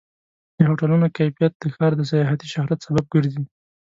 د هوټلونو کیفیت د ښار د سیاحتي شهرت سبب ګرځي.